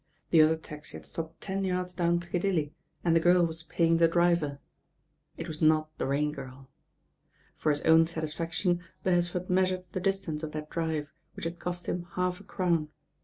The other taxi had stopped ten yards down THE SEARCH BEGINS •; I < Piccadilly, and the girl wai paying the driver. It wa» not the Rain Girl. For hit own satisfaction Beresford measured the distance of that drive, which had cost him half a crown.